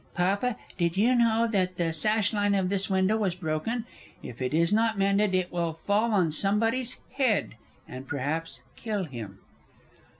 Papa, did you know that the sashline of this window was broken? If it is not mended, it will fall on somebody's head, and perhaps kill him!